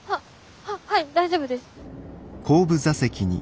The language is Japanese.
ははい大丈夫です。